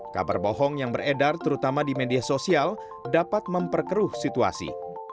kabar bohong yang beredar terutama di media sosial dapat memperkeruh situasi